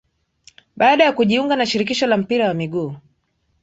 Baada ya kujiunga na shirikisho la mpira wa miguu